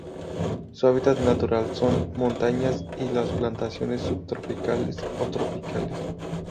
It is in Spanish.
Su hábitat natural son: montañas y las plantaciones, subtropicales o tropicales.